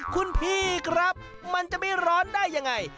คุณพี่ครับมันจะไม่ร้อนได้ยังไง